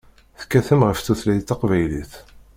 Tekkatem ɣef tutlayt taqbaylit.